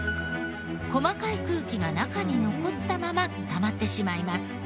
細かい空気が中に残ったまま固まってしまいます。